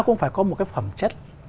cũng phải có một cái phẩm chất